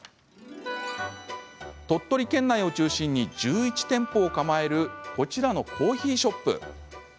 鳥取県内を中心に１１店舗を構えるこちらのコーヒーショップ。